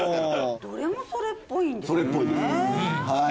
どれもそれっぽいんですよね。